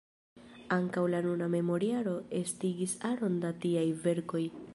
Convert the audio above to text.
Ankaŭ la nuna memorjaro estigis aron da tiaj verkoj.